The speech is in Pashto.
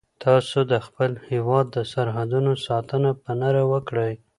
تاسو د خپل هیواد د سرحدونو ساتنه په نره وکړئ.